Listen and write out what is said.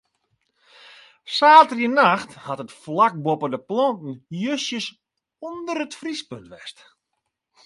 Saterdeitenacht hat it flak boppe de planten justjes ûnder it friespunt west.